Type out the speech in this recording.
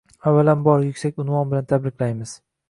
avvalambor, yuksak unvon bilan tabriklaymiz.